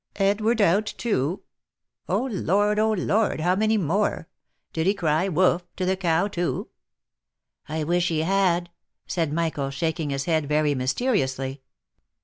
" Edward out too ! Oh ! Lord, oh ! Lord, how many more ? Did he cry 'Wough !' to the cow, too ?"" I wish he had !" said Michael, shaking his head very myste riously.